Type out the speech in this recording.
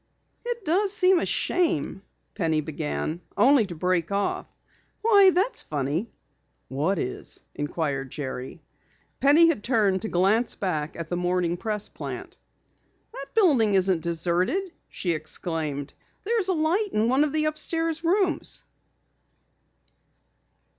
"It does seem a shame " Penny began, only to break off. "Why, that's funny!" "What is?" inquired Jerry. Penny had turned to glance back at the Morning Press plant. "The building isn't deserted!" she exclaimed. "There's a light in one of the upstairs rooms!"